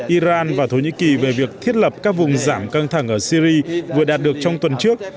iran và thổ nhĩ kỳ về việc thiết lập các vùng giảm căng thẳng ở syri vừa đạt được trong tuần trước